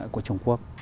của trung quốc